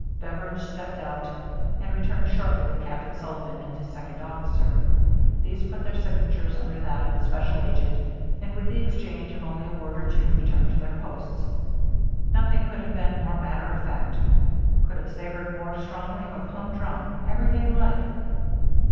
Beveridge stepped out,^ and returned shortly with Captain Sullivan and his second officer. These put their signa tures under that of the special agent and with the exchange of only a word or two returned 384 THE MERRY ANNE to their posts. Nothing could have been more matter of fact, could have savored more strongly of humdrum, everyday life.